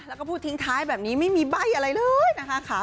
แล้วก็พูดทิ้งท้ายแบบนี้ไม่มีใบ้อะไรเลยนะคะ